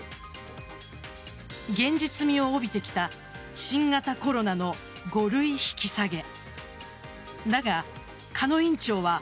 現実味を帯びてきた新型コロナの５類引き下げ。